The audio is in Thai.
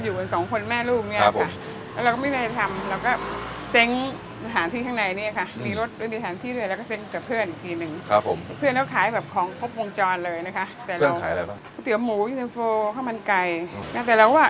เริ่มต้นเมื่อก่อนก็อยู่กับสองคนแม่ลูกเนี้ยค่ะครับผมแล้วเราก็ไม่ได้ทำ